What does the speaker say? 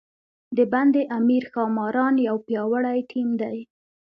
د بند امیر ښاماران یو پیاوړی ټیم دی.